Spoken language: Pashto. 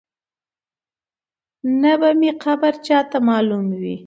نه به مي قبر چاته معلوم وي